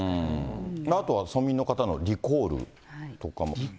あとは村民の方のリコールとかも。